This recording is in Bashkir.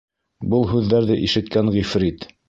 Был һүҙҙәрҙе ишеткән ғифрит: